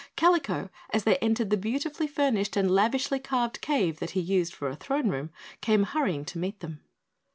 Kalico, as they entered the beautifully furnished and lavishly carved cave that he used for a throne room, came hurrying to meet them.